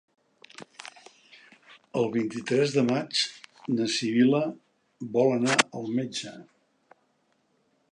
El vint-i-tres de maig na Sibil·la vol anar al metge.